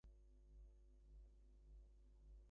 The film was successful at the box office.